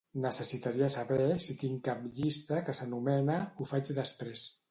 Necessitaria saber si tinc cap llista que s'anomena "ho faig després".